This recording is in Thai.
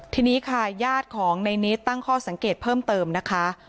ทีนี้ค่ะญาติของในนิดตั้งข้อสังเกตเพิ่มเติมนะคะ